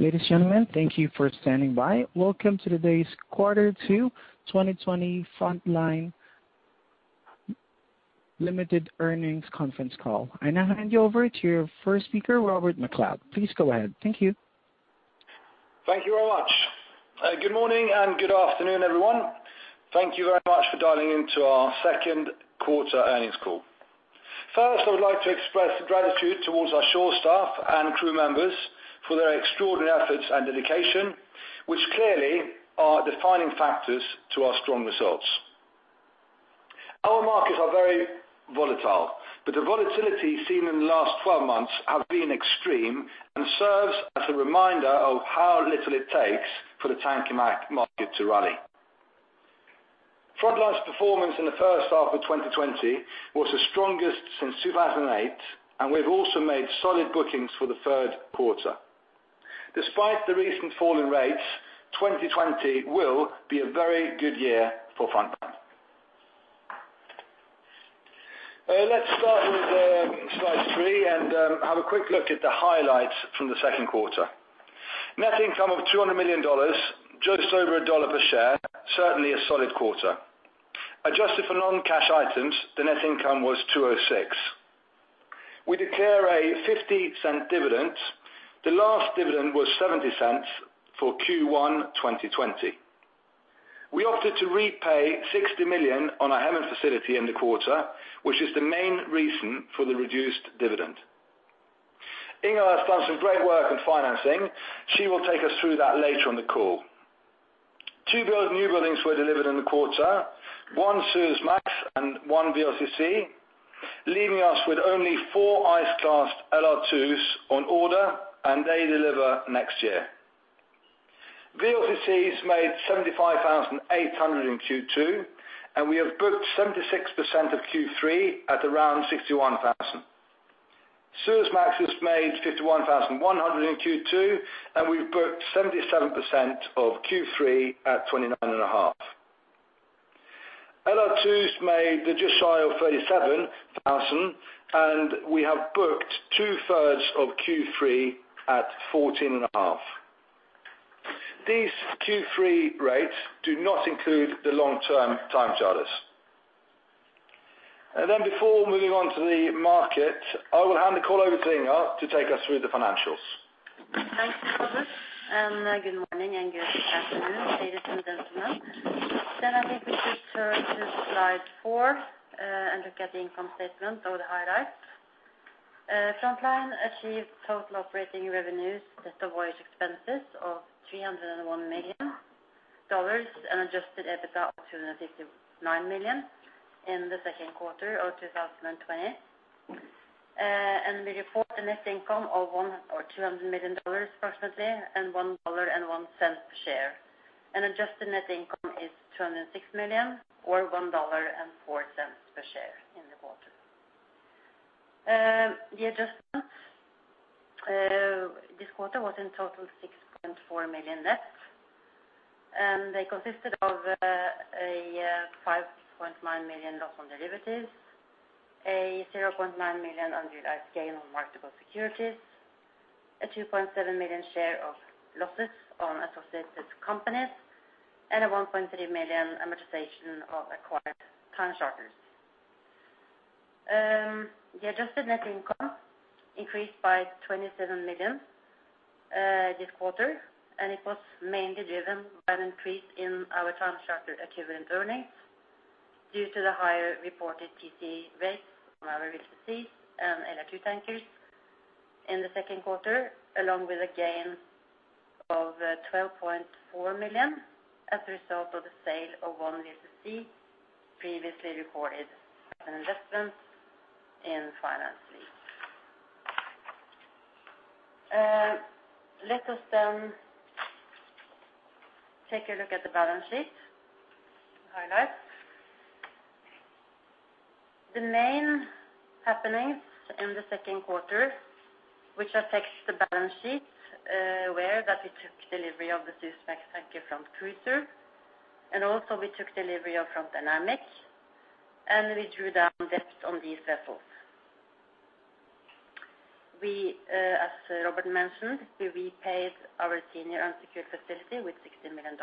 Ladies and gentlemen, thank you for standing by. Welcome to today's quarter two 2020 Frontline Limited earnings conference call. I now hand you over to your first speaker, Robert Macleod. Please go ahead. Thank you. Thank you very much. Good morning and good afternoon, everyone. Thank you very much for dialing in to our second quarter earnings call. First, I would like to express gratitude towards our shore staff and crew members for their extraordinary efforts and dedication, which clearly are defining factors to our strong results. Our markets are very volatile. The volatility seen in the last 12 months have been extreme and serves as a reminder of how little it takes for the tanker market to rally. Frontline's performance in the first half of 2020 was the strongest since 2008, and we've also made solid bookings for the third quarter. Despite the recent fall in rates, 2020 will be a very good year for Frontline. Let's start with slide three and have a quick look at the highlights from the second quarter. Net income of $200 million, just over $1 per share, certainly a solid quarter. Adjusted for non-cash items, the net income was $206. We declare a $0.50 dividend. The last dividend was $0.70 for Q1 2020. We opted to repay $60 million on our Hemen facility in the quarter, which is the main reason for the reduced dividend. Inger has done some great work on financing. She will take us through that later in the call. Two new buildings were delivered in the quarter, one Suezmax and one VLCC, leaving us with only four ice class LR2s on order, and they deliver next year. VLCC has made $75,800 in Q2, and we have booked 76% of Q3 at around $61,000. Suezmax has made $51,100 in Q2, and we have booked 77% of Q3 at $29,500. LR2's made the just shy of $37,000, and we have booked two-thirds of Q3 at $14,500. These Q3 rates do not include the long-term time charters. Before moving on to the market, I will hand the call over to Inger to take us through the financials. Thanks, Robert, and good morning and good afternoon, ladies and gentlemen. I think we should turn to slide four and look at the income statement or the highlights. Frontline achieved total operating revenues less the voyage expenses of $301 million and adjusted EBITDA of $259 million in the second quarter of 2020. We report a net income of $200 million approximately and $1.01 per share. Adjusted net income is $206 million or $1.04 per share in the quarter. The adjustments this quarter was in total $6.4 million net, and they consisted of a $5.9 million loss on derivatives, a $0.9 million unrealized gain on marketable securities, a $2.7 million share of losses on associated companies, and a $1.3 million amortization of acquired time charters. The adjusted net income increased by $27 million this quarter. It was mainly driven by an increase in our time charter equivalent earnings due to the higher reported TC rates on our VLCC and LR2 tankers in the second quarter, along with a gain of $12.4 million as a result of the sale of one VLCC previously recorded as an investment in finance lease. Let us then take a look at the balance sheet highlights. The main happenings in the second quarter which affects the balance sheet were that we took delivery of the Suezmax tanker Front Cruiser. Also we took delivery of Front Dynamic, and we drew down debt on these vessels. As Robert mentioned, we repaid our senior unsecured facility with $60 million.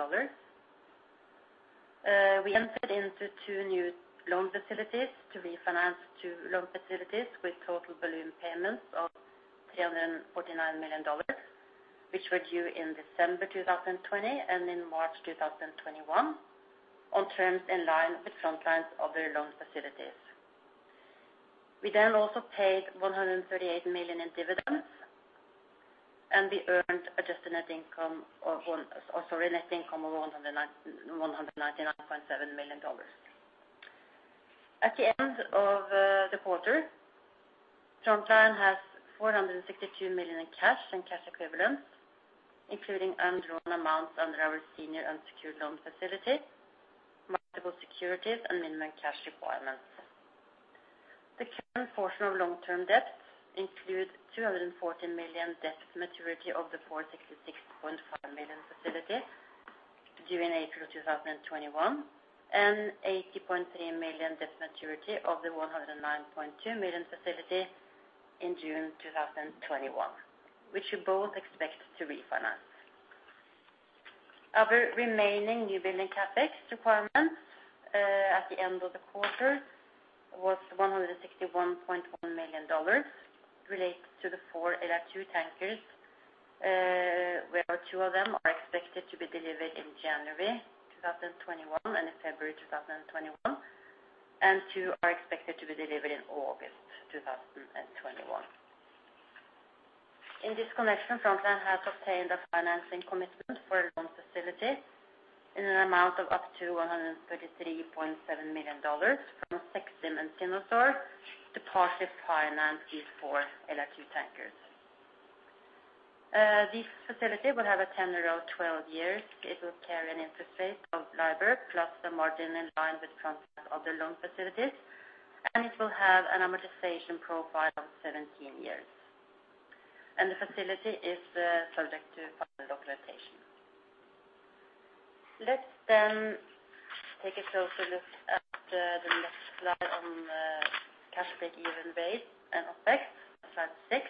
We entered into two new loan facilities to refinance two loan facilities with total balloon payments of $349 million, which were due in December 2020 and in March 2021 on terms in line with Frontline's other loan facilities. We also paid $138 million in dividends, and we earned net income of $199.7 million. At the end of the quarter, Frontline has $462 million in cash and cash equivalents, including undrawn amounts under our senior unsecured loan facility, marketable securities and minimum cash requirements. The current portion of long-term debts include $240 million debt maturity of the $466.5 million facility during April 2021, and $80.3 million debt maturity of the $109.2 million facility in June 2021, which we both expect to refinance. Our remaining newbuilding CapEx requirements at the end of the quarter was $161.1 million related to the 4 LR2 tankers, where two of them are expected to be delivered in January 2021 and in February 2021, and two are expected to be delivered in August 2021. In this connection, Frontline has obtained a financing commitment for a loan facility in an amount of up to $133.7 million from CEXIM and Sinosure to partially finance these 4 LR2 tankers. This facility will have a tenure of 12 years. It will carry an interest rate of LIBOR plus the margin in line with Frontline's other loan facilities, and it will have an amortization profile of 17 years. The facility is subject to final documentation. Let's take a closer look at the next slide on cash break-even rate and OPEX, slide six.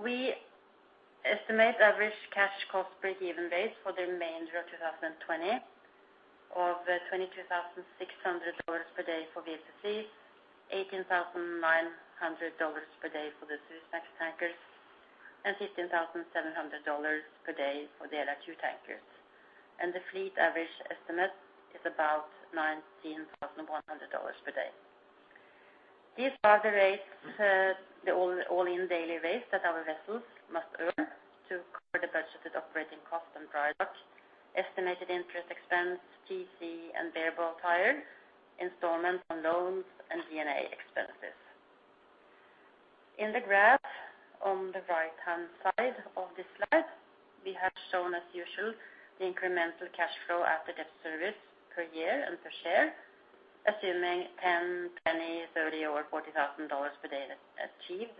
We estimate average cash cost break-even rates for the remainder 2020 of $22,600 per day for VLCC, $18,900 per day for the Suezmax tankers, and $15,700 per day for the LR2 tankers. The fleet average estimate is about $19,100 per day. These are the all-in daily rates that our vessels must earn to cover the budgeted operating cost and dry dock, estimated interest expense, TC and bareboat hire, installments on loans, and G&A expenses. In the graph on the right-hand side of this slide, we have shown, as usual, the incremental cash flow after debt service per year and per share, assuming $10,000, $20,000, $30,000 or $40,000 per day achieved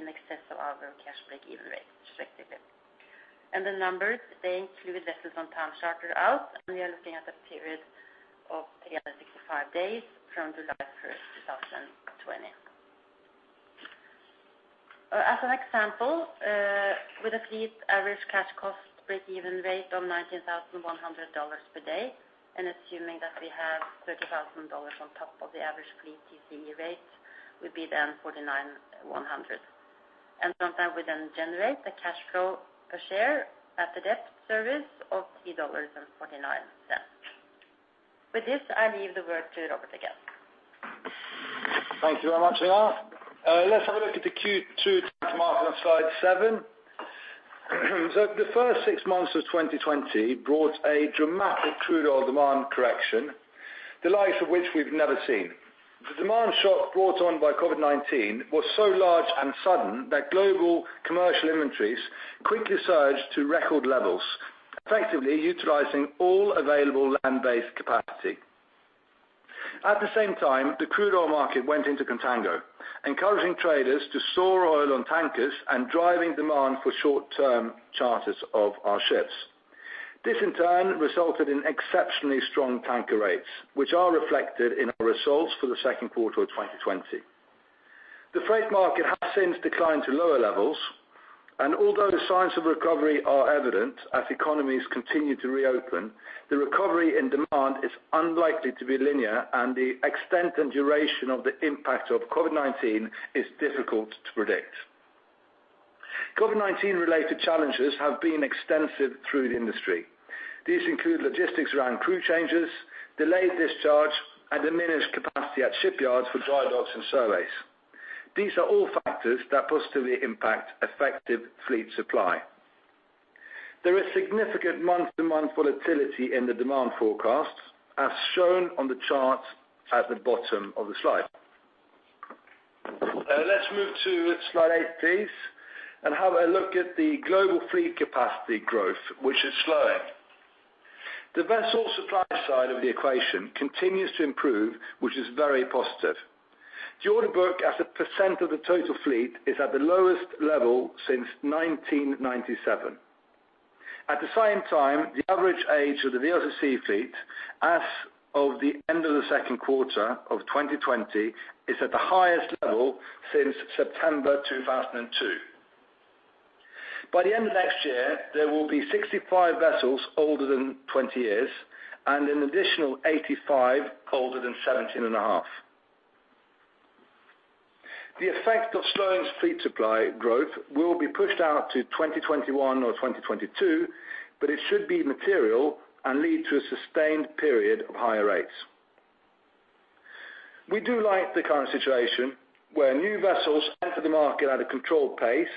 in excess of our cash break-even rate respectively. The numbers, they include vessels on time charter out, and we are looking at a period of 365 days from July 1st, 2020. As an example, with a fleet average cash cost break-even rate of $19,100 per day, and assuming that we have $30,000 on top of the average fleet TCE rate, would be then $49,100. Frontline would then generate a cash flow per share at the debt service of $3.49. With this, I leave the word to Robert again. Thank you very much, Inger. Let's have a look at the Q2 tanker market on slide seven. The first six months of 2020 brought a dramatic crude oil demand correction, the likes of which we've never seen. The demand shock brought on by COVID-19 was so large and sudden that global commercial inventories quickly surged to record levels, effectively utilizing all available land-based capacity. At the same time, the crude oil market went into contango, encouraging traders to store oil on tankers and driving demand for short-term charters of our ships. This in turn resulted in exceptionally strong tanker rates, which are reflected in our results for the second quarter of 2020. The freight market has since declined to lower levels, and although signs of recovery are evident as economies continue to reopen, the recovery in demand is unlikely to be linear, and the extent and duration of the impact of COVID-19 is difficult to predict. COVID-19 related challenges have been extensive through the industry. These include logistics around crew changes, delayed discharge, and diminished capacity at shipyards for dry docks and surveys. These are all factors that positively impact effective fleet supply. There is significant month-to-month volatility in the demand forecast, as shown on the chart at the bottom of the slide. Let's move to slide eight, please, and have a look at the global fleet capacity growth, which is slowing. The vessel supply side of the equation continues to improve, which is very positive. The order book as a percentage of the total fleet is at the lowest level since 1997. At the same time, the average age of the VLCC fleet as of the end of the second quarter of 2020 is at the highest level since September 2002. By the end of next year, there will be 65 vessels older than 20 years and an additional 85 older than 17.5. The effect of slowing fleet supply growth will be pushed out to 2021 or 2022, but it should be material and lead to a sustained period of higher rates. We do like the current situation where new vessels enter the market at a controlled pace,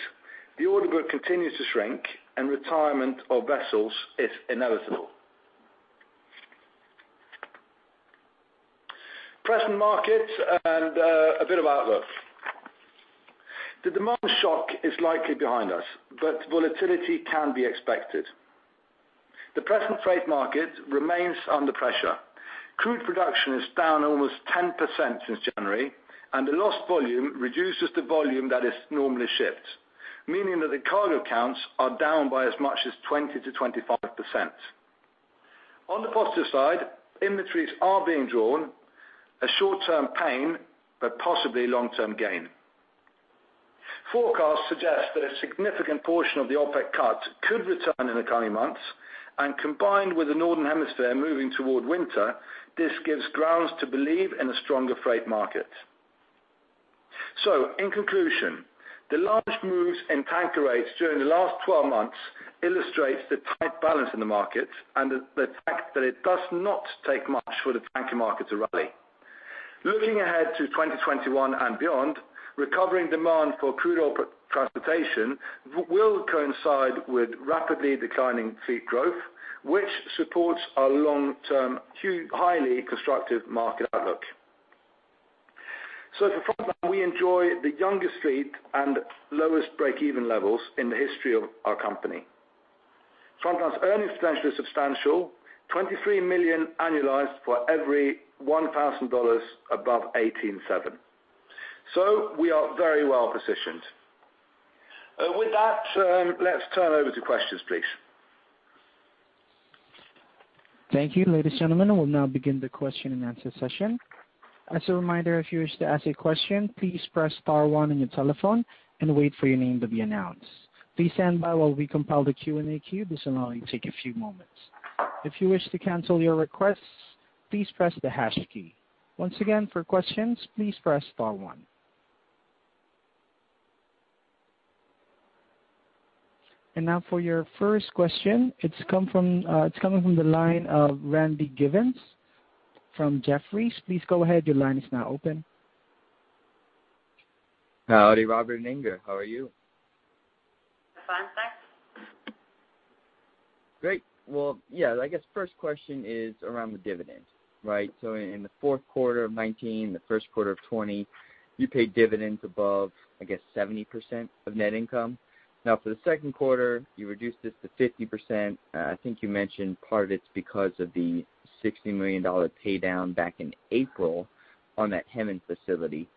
the order book continues to shrink, and retirement of vessels is inevitable. Present market and a bit of outlook. The demand shock is likely behind us, but volatility can be expected. The present freight market remains under pressure. Crude production is down almost 10% since January. The lost volume reduces the volume that is normally shipped, meaning that the cargo counts are down by as much as 20%-25%. On the positive side, inventories are being drawn, a short-term pain, but possibly long-term gain. Forecasts suggest that a significant portion of the OPEC cut could return in the coming months. Combined with the Northern Hemisphere moving toward winter, this gives grounds to believe in a stronger freight market. In conclusion, the large moves in tanker rates during the last 12 months illustrates the tight balance in the market and the fact that it does not take much for the tanker market to rally. Looking ahead to 2021 and beyond, recovering demand for crude oil transportation will coincide with rapidly declining fleet growth, which supports our long-term, highly constructive market outlook. At Frontline, we enjoy the youngest fleet and lowest break-even levels in the history of our company. Frontline's earnings potential is substantial, $23 million annualized for every $1,000 above 18,700. We are very well positioned. With that, let's turn over to questions, please. Thank you. Ladies and gentlemen, we'll now begin the question and answer session. As a reminder, if you wish to ask a question, please press star one on your telephone and wait for your name to be announced. Please stand by while we compile the Q&A queue. This will only take a few moments. If you wish to cancel your request, please press the hash key. Once again, for questions, please press star one. Now for your first question. It's coming from the line of Randy Giveans from Jefferies. Please go ahead, your line is now open. Howdy, Robert and Inger. How are you? Fine, thanks. Great. Well, yeah, I guess first question is around the dividend. Right? In the fourth quarter of 2019, the first quarter of 2020, you paid dividends above, I guess, 70% of net income. Now for the second quarter, you reduced this to 50%. I think you mentioned part of it's because of the $60 million pay down back in April on that Hemen facility.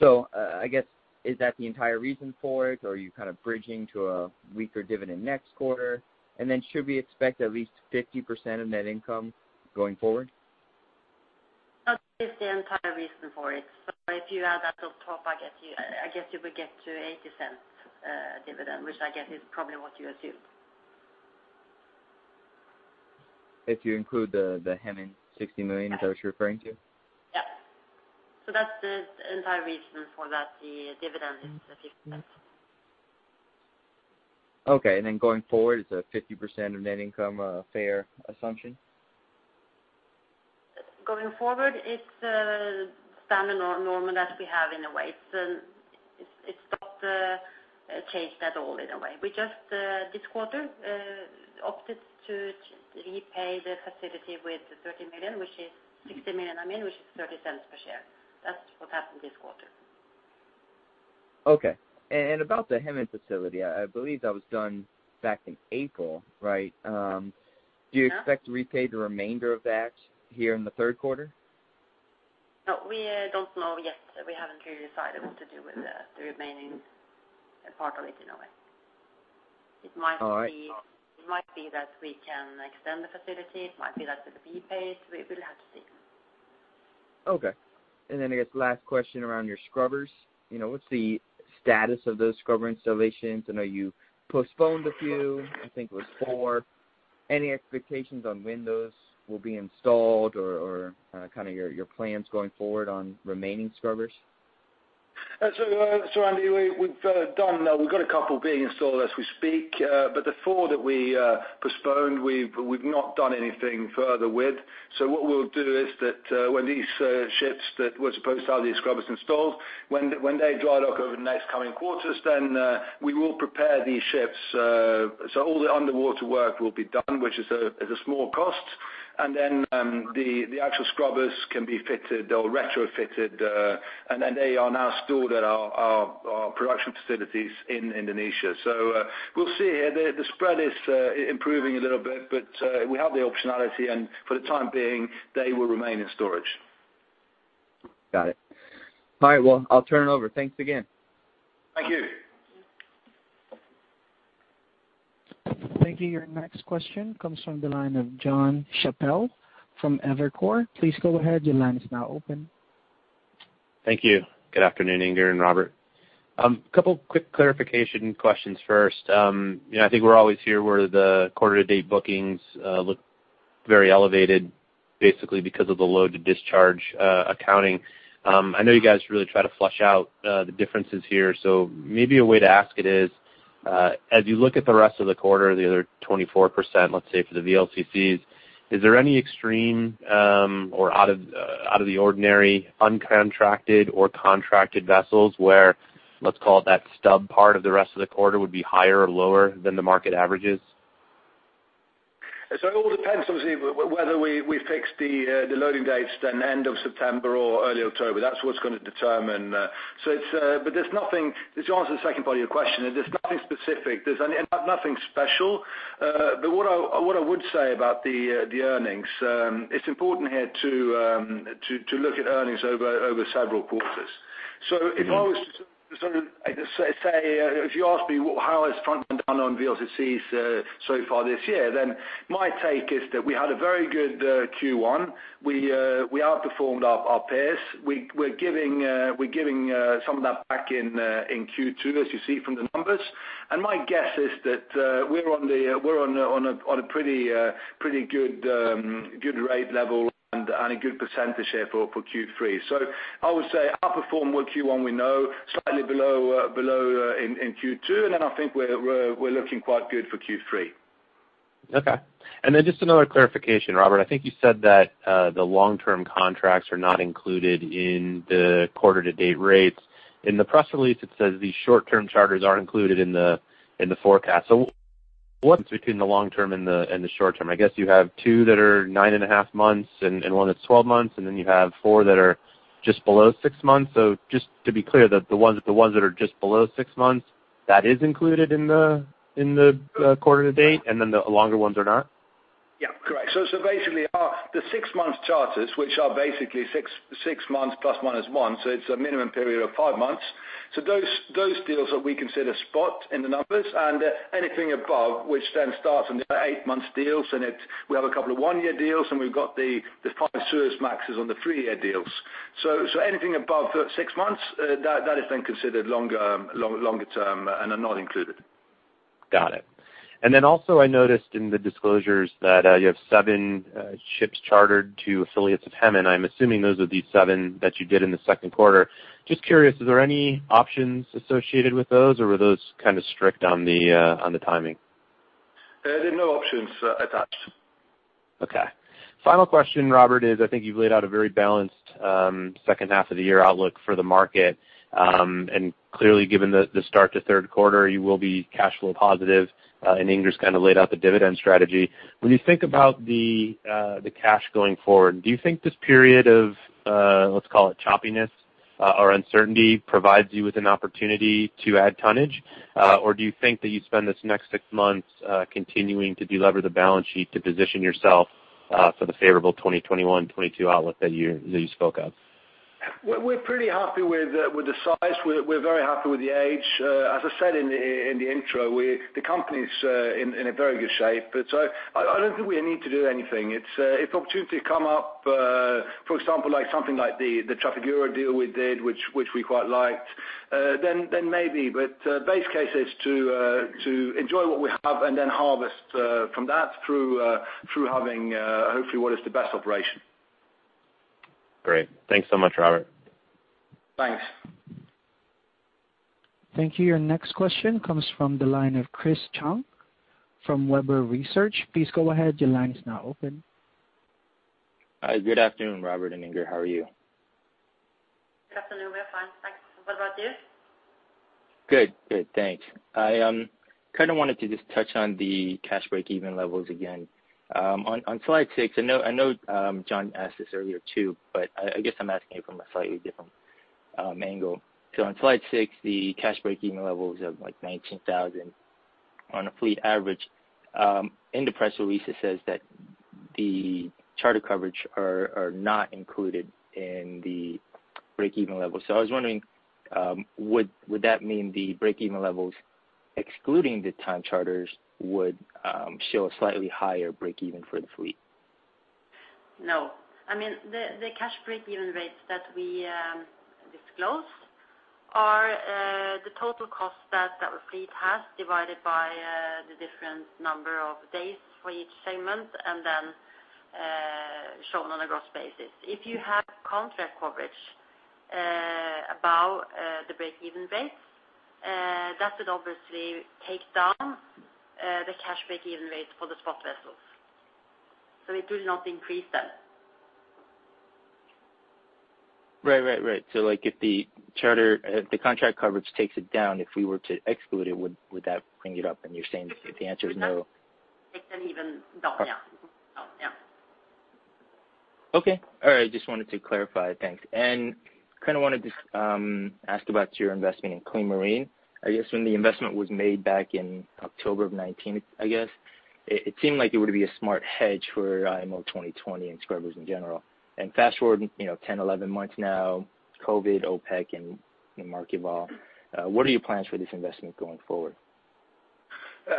I guess, is that the entire reason for it, or are you kind of bridging to a weaker dividend next quarter? should we expect at least 50% of net income going forward? That is the entire reason for it. If you add that on top, I guess you would get to $0.80 dividend, which I guess is probably what you assumed. If you include the Hemen $60 million that I was referring to? Yes. that's the entire reason for that, the dividend is $0.50. Okay, going forward, is that 50% of net income a fair assumption? Going forward, it's standard or normal that we have in a way. It's not changed at all in a way. We just, this quarter, opted to repay the facility with $30 million, which is $60 million, I mean, which is $0.30 per share. That's what happened this quarter. Okay. About the Hemen facility, I believe that was done back in April, right? Yeah. Do you expect to repay the remainder of that here in the third quarter? No, we don't know yet. We haven't really decided what to do with the remaining part of it in a way. All right. It might be that we can extend the facility. It might be that it will be paid. We'll have to see. Okay. I guess last question around your scrubbers. What's the status of those scrubber installations? I know you postponed a few, I think it was four. Any expectations on when those will be installed or kind of your plans going forward on remaining scrubbers? Randy, we've got a couple being installed as we speak. The four that we postponed, we've not done anything further with. What we'll do is that when these ships that were supposed to have these scrubbers installed, when they dry dock over the next coming quarters, then we will prepare these ships. All the underwater work will be done, which is a small cost. The actual scrubbers can be fitted or retrofitted, and they are now stored at our production facilities in Indonesia. We'll see here. The spread is improving a little bit, but we have the optionality, and for the time being, they will remain in storage. Got it. All right, well, I'll turn it over. Thanks again. Thank you. Thank you. Your next question comes from the line of Jon Chappell from Evercore. Please go ahead, your line is now open. Thank you. Good afternoon, Inger and Robert. Couple quick clarification questions first. I think we're always here where the quarter to date bookings look very elevated, basically because of the load to discharge accounting. I know you guys really try to flush out the differences here, so maybe a way to ask it is, as you look at the rest of the quarter, the other 24%, let's say for the VLCCs, is there any extreme or out of the ordinary uncontracted or contracted vessels where, let's call it that stub part of the rest of the quarter would be higher or lower than the market averages? It all depends, obviously, whether we fix the loading dates then end of September or early October. That's what's going to determine. To answer the second part of your question, there's nothing specific. There's nothing special. What I would say about the earnings, it's important here to look at earnings over several quarters. If you asked me, how has Frontline done on VLCCs so far this year, then my take is that we had a very good Q1. We outperformed our peers. We're giving some of that back in Q2, as you see from the numbers. My guess is that we're on a pretty good rate level and a good percentage there for Q3. I would say outperform with Q1, we know, slightly below in Q2, and then I think we're looking quite good for Q3. Okay. just another clarification, Robert. I think you said that the long-term contracts are not included in the quarter to date rates. In the press release, it says the short-term charters are included in the forecast. what's between the long term and the short term? I guess you have two that are nine and a half months and one that's 12 months, and then you have four that are just below six months. just to be clear that the ones that are just below six months, that is included in the quarter to date, and then the longer ones are not? Yeah, correct. Basically, the six-month charters, which are basically six months plus minus one, so it's a minimum period of five months. Those deals that we consider spot in the numbers and anything above, which then starts on the eight-month deals, and we have a couple of one-year deals, and we've got the five Suezmax on the three-year deals. Anything above six months, that is then considered longer term and are not included. Got it. also I noticed in the disclosures that you have seven ships chartered to affiliates of Hemen. I'm assuming those are the seven that you did in the second quarter. Just curious, is there any options associated with those, or were those kind of strict on the timing? There are no options attached. Okay. Final question, Robert, is I think you've laid out a very balanced second half of the year outlook for the market, and clearly, given the start to third quarter, you will be cash flow positive, and Inger's kind of laid out the dividend strategy. When you think about the cash going forward, do you think this period of, let's call it choppiness or uncertainty, provides you with an opportunity to add tonnage? Do you think that you spend this next six months continuing to delever the balance sheet to position yourself for the favorable 2021, 2022 outlook that you spoke of? We're pretty happy with the size. We're very happy with the age. As I said in the intro, the company's in a very good shape. I don't think we need to do anything. If opportunity come up, for example, like something like the Trafigura deal we did, which we quite liked, then maybe. Base case is to enjoy what we have and then harvest from that through having, hopefully, what is the best operation. Great. Thanks so much, Robert. Thanks. Thank you. Your next question comes from the line of Chris Tsung from Webber Research. Please go ahead. Your line is now open. Hi, good afternoon, Robert and Inger. How are you? Good afternoon. We are fine, thanks. What about you? Good. Thanks. I kind of wanted to just touch on the cash break-even levels again. On slide six, I know John asked this earlier, too, but I guess I'm asking it from a slightly different angle. On slide six, the cash break-even levels of $19,000 on a fleet average. In the press release, it says that the charter coverage are not included in the break-even level. I was wondering, would that mean the break-even levels, excluding the time charters, would show a slightly higher break-even for the fleet? No. The cash break-even rates that we disclose are the total cost that the fleet has divided by the different number of days for each segment, and then shown on a gross basis. If you have contract coverage about the break-even rates, that would obviously take down the cash break-even rates for the spot vessels. It will not increase them. Right. If the contract coverage takes it down, if we were to exclude it, would that bring it up? You're saying the answer is no. It's an even drop, yeah. Okay. All right. Just wanted to clarify. Thanks. Kind of wanted to ask about your investment in Clean Marine. I guess when the investment was made back in October of 2019, I guess, it seemed like it would be a smart hedge for IMO 2020 and scrubbers in general. Fast forward 10, 11 months now, COVID, OPEC, and market vol. What are your plans for this investment going forward?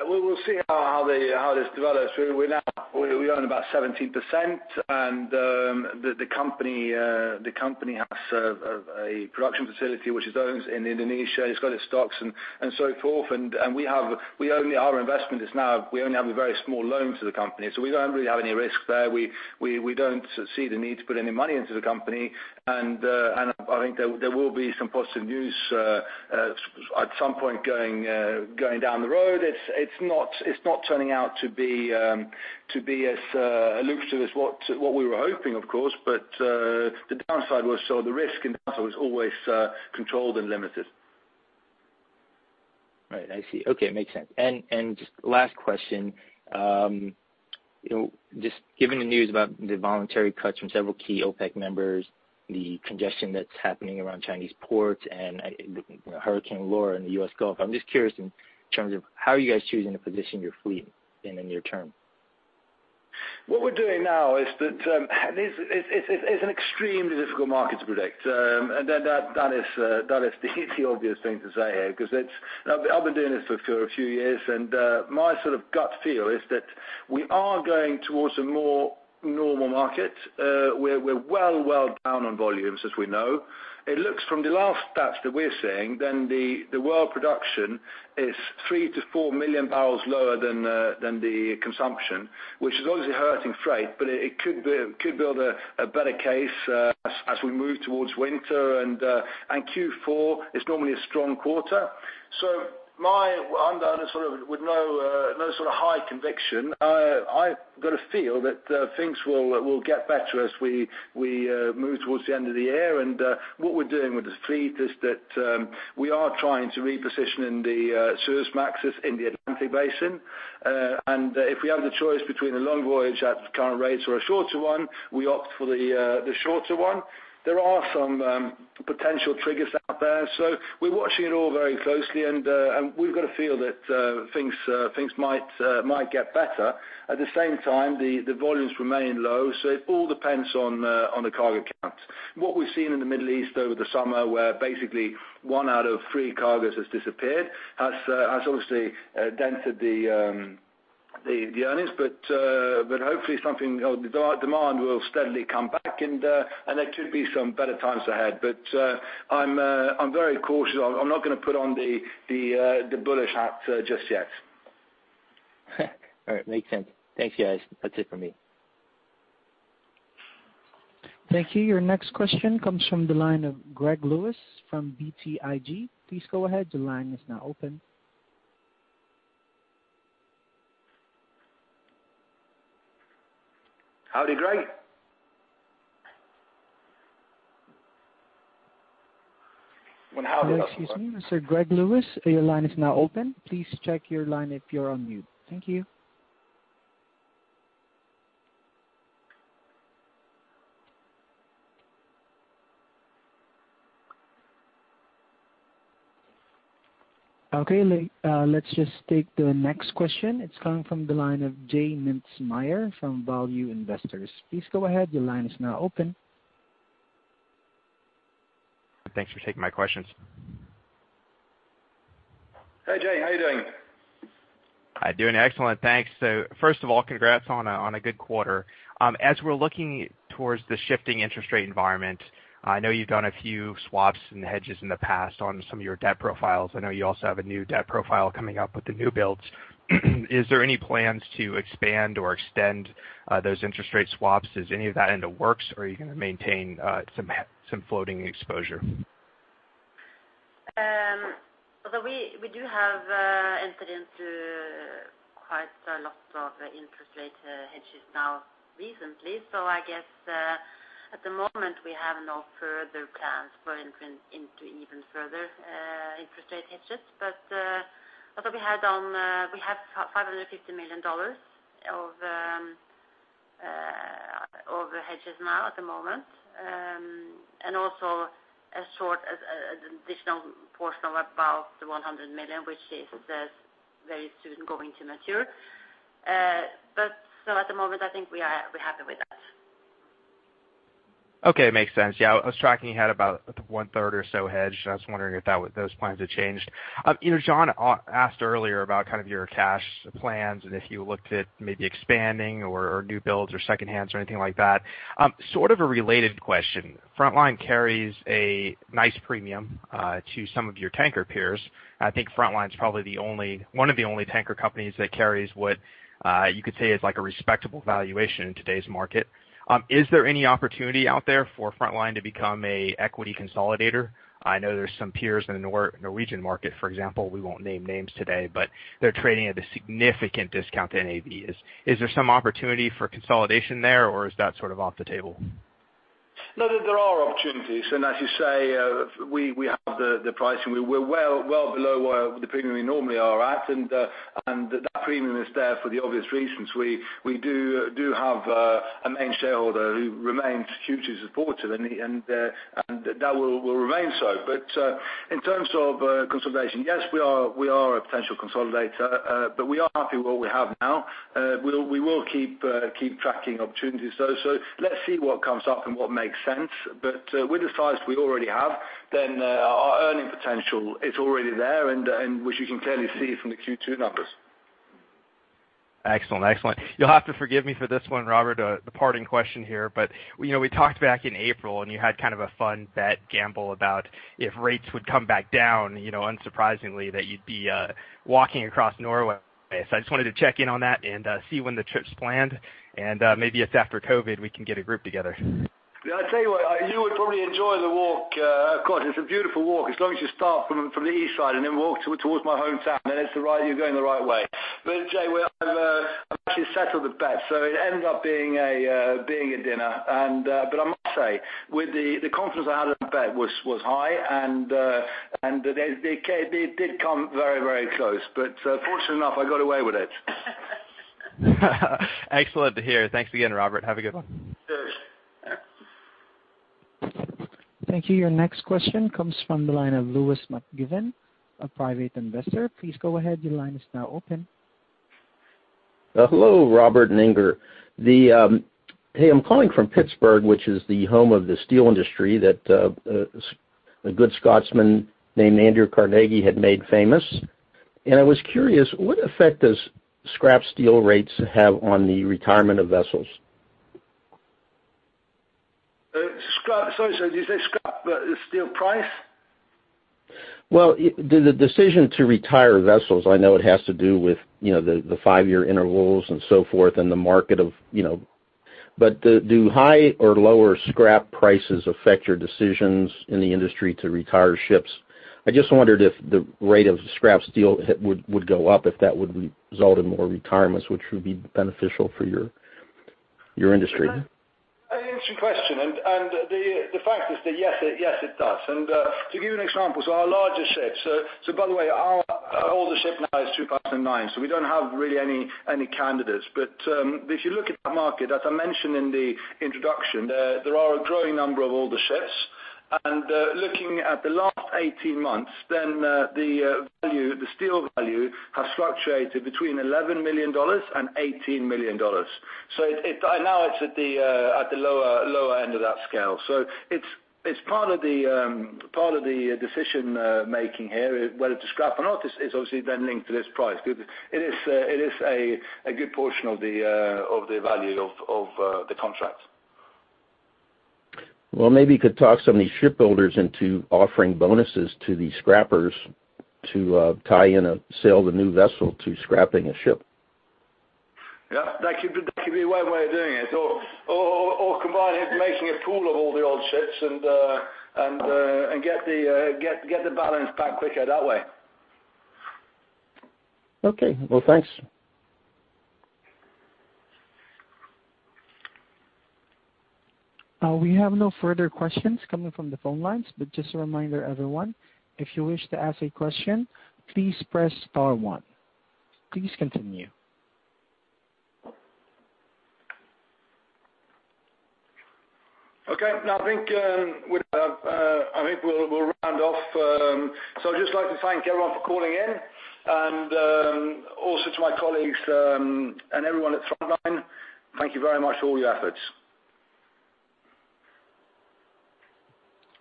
We'll see how this develops. We own about 17%, and the company has a production facility which it owns in Indonesia. It's got its stocks and so forth. Our investment is now, we only have a very small loan to the company, so we don't really have any risk there. We don't see the need to put any money into the company. I think there will be some positive news at some point going down the road. It's not turning out to be as lucrative as what we were hoping, of course, but the risk in that was always controlled and limited. Right. I see. Okay. Makes sense. Just last question. Just given the news about the voluntary cuts from several key OPEC members, the congestion that's happening around Chinese ports and Hurricane Laura in the U.S. Gulf, I'm just curious in terms of how are you guys choosing to position your fleet in the near term? What we're doing now is that it's an extremely difficult market to predict. That is the obvious thing to say here, because I've been doing this for a few years and my sort of gut feel is that we are going towards a more normal market. We're well down on volumes, as we know. It looks from the last stats that we're seeing, then the world production is three to four million barrels lower than the consumption, which is obviously hurting freight, but it could build a better case as we move towards winter, and Q4 is normally a strong quarter. With no sort of high conviction, I've got a feel that things will get better as we move towards the end of the year. What we're doing with the fleet is that we are trying to reposition in the Suezmaxes in the Atlantic Basin. If we have the choice between a long voyage at current rates or a shorter one, we opt for the shorter one. There are some potential triggers out there, so we're watching it all very closely and we've got a feel that things might get better. At the same time, the volumes remain low, so it all depends on the cargo count. What we've seen in the Middle East over the summer, where basically one out of three cargoes has disappeared, has obviously dented the earnings. Hopefully demand will steadily come back and there could be some better times ahead. I'm very cautious. I'm not going to put on the bullish hat just yet. All right. Makes sense. Thanks, guys. That's it for me. Thank you. Your next question comes from the line of Greg Lewis from BTIG. Please go ahead. The line is now open. Howdy, Greg. When howdy doesn't work. Oh, excuse me, Mr. Greg Lewis, your line is now open. Please check your line if you're on mute. Thank you. Okay, let's just take the next question. It's coming from the line of J Mintzmyer from Value Investors. Please go ahead, your line is now open. Thanks for taking my questions. Hey, J, how are you doing? I'm doing excellent, thanks. first of all, congrats on a good quarter. As we're looking towards the shifting interest rate environment, I know you've done a few swaps and hedges in the past on some of your debt profiles. I know you also have a new debt profile coming up with the new builds. Is there any plans to expand or extend those interest rate swaps? Is any of that in the works, or are you going to maintain some floating exposure? Although we do have entered into quite a lot of interest rate hedges now recently. I guess, at the moment, we have no further plans for entering into even further interest rate hedges. Although we have $550 million of hedges now at the moment, and also an additional portion of about the $100 million, which is very soon going to mature. At the moment, I think we're happy with that. Okay. Makes sense. Yeah, I was tracking you had about one-third or so hedged, and I was wondering if those plans had changed. John asked earlier about kind of your cash plans and if you looked at maybe expanding or new builds or second hands or anything like that. Sort of a related question. Frontline carries a nice premium to some of your tanker peers. I think Frontline is probably one of the only tanker companies that carries what you could say is like a respectable valuation in today's market. Is there any opportunity out there for Frontline to become a equity consolidator? I know there's some peers in the Norwegian market, for example, we won't name names today, but they're trading at a significant discount to NAV. Is there some opportunity for consolidation there or is that sort of off the table? No, there are opportunities, and as you say, we have the pricing. We're well below the premium we normally are at, and that premium is there for the obvious reasons. We do have a main shareholder who remains hugely supportive, and that will remain so. In terms of consolidation, yes, we are a potential consolidator, but we are happy with what we have now. We will keep tracking opportunities, though. Let's see what comes up and what makes sense. With the size we already have, then our earning potential, it's already there, and which you can clearly see from the Q2 numbers. Excellent. You'll have to forgive me for this one, Robert, the parting question here. We talked back in April and you had kind of a fun bet gamble about if rates would come back down, unsurprisingly that you'd be walking across Norway. I just wanted to check in on that and see when the trip's planned, and maybe it's after COVID, we can get a group together. Yeah, I tell you what, you would probably enjoy the walk. Of course, it's a beautiful walk as long as you start from the east side and then walk towards my hometown, then you're going the right way. J, well, I've actually settled the bet, so it ended up being a dinner. I must say, the confidence I had on the bet was high, and it did come very close. Fortunately enough, I got away with it. Excellent to hear. Thanks again, Robert. Have a good one. Sure. Thank you. Your next question comes from the line of Lewis McGivern, a private investor. Please go ahead. Your line is now open. Hello, Robert and Inger. Hey, I'm calling from Pittsburgh, which is the home of the steel industry that a good Scotsman named Andrew Carnegie had made famous. I was curious, what effect does scrap steel rates have on the retirement of vessels? Sorry, sir, did you say scrap steel price? Well, the decision to retire vessels, I know it has to do with the five-year intervals and so forth, and the market. Do high or lower scrap prices affect your decisions in the industry to retire ships? I just wondered if the rate of scrap steel would go up, if that would result in more retirements, which would be beneficial for your industry. An interesting question. The fact is that, yes, it does. To give you an example, so our larger ships. By the way, our older ship now is 2009, so we don't have really any candidates. If you look at that market, as I mentioned in the introduction, there are a growing number of older ships. Looking at the last 18 months, then the steel value has fluctuated between $11 million and $18 million. Now it's at the lower end of that scale. It's part of the decision-making here, whether to scrap or not, is obviously then linked to this price. It is a good portion of the value of the contract. Well, maybe you could talk some of these shipbuilders into offering bonuses to the scrappers to tie in a sale of a new vessel to scrapping a ship. Yeah, that could be one way of doing it, or combine it, making a pool of all the old ships and get the balance back quicker that way. Okay. Well, thanks. We have no further questions coming from the phone lines. But just a reminder, everyone, if you wish to ask a question, please press star one. Please continue. Okay. No, I think we'll round off. I'd just like to thank everyone for calling in, and also to my colleagues and everyone at Frontline, thank you very much for all your efforts.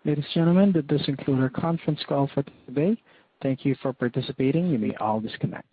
Ladies and gentlemen, that does conclude our conference call for today. Thank you for participating. You may all disconnect.